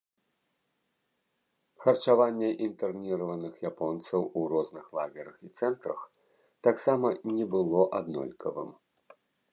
Харчаванне інтэрніраваных японцаў у розных лагерах і цэнтрах таксама не было аднолькавым.